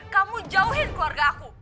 kamu jauhin keluarga aku